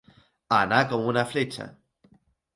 Anar com una fletxa.